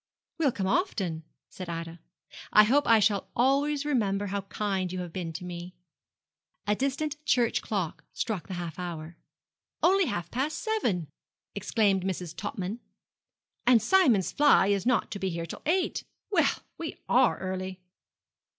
'We'll come often,' said Ida; 'I hope I shall always remember how kind you have been to me.' A distant church clock struck the half hour. 'Only half past seven,' exclaimed Mrs. Topman, 'and Simmons's fly is not to be here till eight. Well, we are early.'